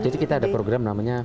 jadi kita ada program namanya